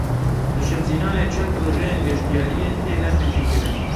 Li Şemzînanê çend projeyên geştyariyê têne bicîkirin.